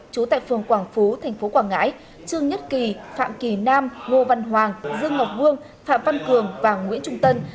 chú tại phường quảng phú tp quảng ngãi trương nhất kỳ phạm kỳ nam ngô văn hoàng dương ngọc vương phạm văn cường và nguyễn trung tân